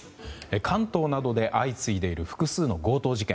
関東などで相次いでいる複数の強盗事件。